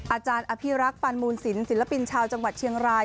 อาจารย์อภิรักษ์ปันมูลศิลปศิลปินชาวจังหวัดเชียงราย